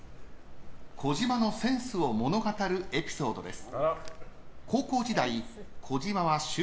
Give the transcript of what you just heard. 児嶋のセンスを物語るエピソードです。